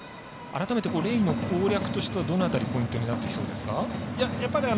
改めてレイの攻略としてはどの辺りポイントになってきそうですか。